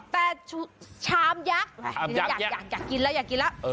แต่ชามยักษ์